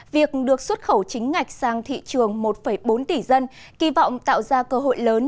việc được xuất khẩu chính ngạch sang thị trường một bốn tỷ dân kỳ vọng tạo ra cơ hội lớn